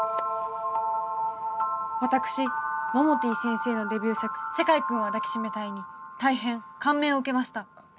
私モモティ先生のデビュー作「世界くんは抱きしめたい」に大変感銘を受けました。